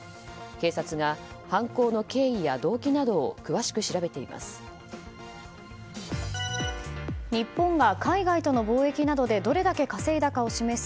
警察が犯行の経緯や動機などを詳しく調べています。